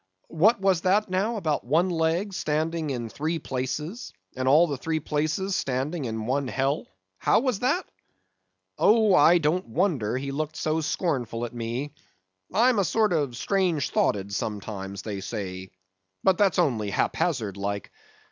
What was that now about one leg standing in three places, and all three places standing in one hell—how was that? Oh! I don't wonder he looked so scornful at me! I'm a sort of strange thoughted sometimes, they say; but that's only haphazard like.